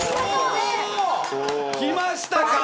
きましたか！